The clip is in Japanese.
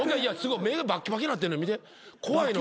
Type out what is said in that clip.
目がバッキバキになってんねん見て怖いの。